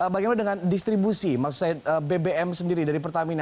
bagaimana dengan distribusi maksud saya bbm sendiri dari pertamina